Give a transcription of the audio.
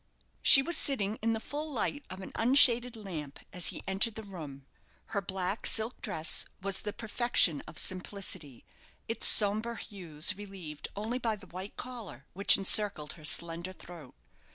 She was sitting in the full light of an unshaded lamp as he entered the room. Her black silk dress was the perfection of simplicity; its sombre hues relieved only by the white collar which encircled her slender throat.